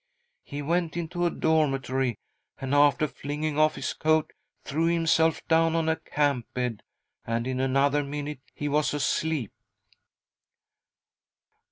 He went into a dormitory, and, after flinging off his coat, threw himself down on a camp bed, and in another minute he was asleep."